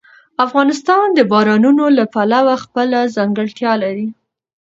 افغانستان د بارانونو له پلوه خپله ځانګړتیا لري.